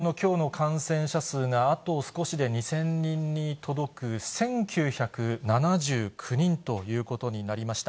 さて、小林先生、東京のきょうの感染者数があと少しで２０００人に届く、１９７９人ということになりました。